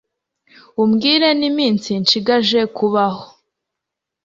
umbwire n'iminsi nshigaje kubaho